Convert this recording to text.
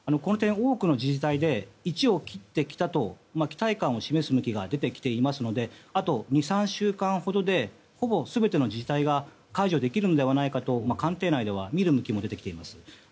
多くの自治体で１を切ってきたという期待感を示す動きが出てきていますのであと２３週間ほどでほぼ全ての自治体が解除できるのではないかと官邸内ではみる向きも出てきています。